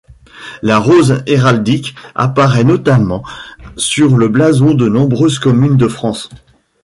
La rose héraldique apparaît notamment sur le blason de nombreuses communes de France.